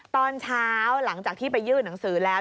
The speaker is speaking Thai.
ตอนเช้าหลังจากที่ไปยื่นหนังสือแล้ว